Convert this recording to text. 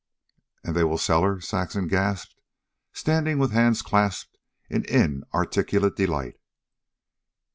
"And they will sell her?" Saxon gasped, standing with hands clasped in inarticulate delight.